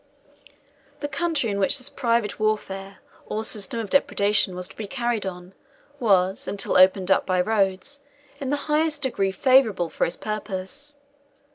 The country in which this private warfare, or system of depredation, was to be carried on, was, until opened up by roads, in the highest degree favourable for his purpose.